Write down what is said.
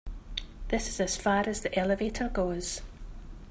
This is as far as the elevator goes.